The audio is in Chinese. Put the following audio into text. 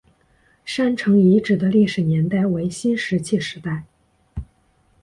山城遗址的历史年代为新石器时代。